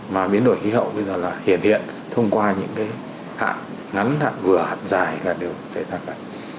mà biến đổi khí hậu bây giờ là hiện hiện thông qua những hạng ngắn hạng vừa hạng dài là đều xảy ra cả